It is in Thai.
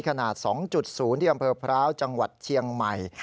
ขนาด๒๐ที่อำเภอพร้าวจังหวัดเชียงใหม่